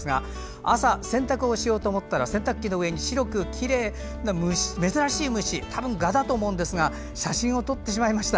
朝、洗濯をしようと思ったら洗濯機の上に白くてきれいな珍しい虫、多分ガだと思うんですが写真を撮ってしまいました。